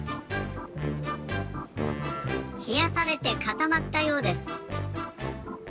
ひやされてかたまったようです。